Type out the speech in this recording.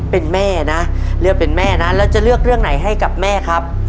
เป็นแม่นะเลือกเป็นแม่นะแล้วจะเลือกเรื่องไหนให้กับแม่ครับ